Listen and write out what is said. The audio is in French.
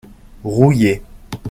Rouillé.